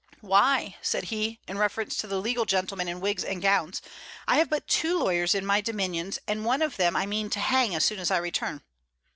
"Why," said he, in reference to the legal gentlemen in wigs and gowns, "I have but two lawyers in my dominions, and one of them I mean to hang as soon as I return."